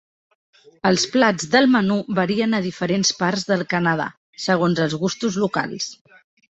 Els plats del menú varien a diferents parts del Canadà, segons els gustos locals.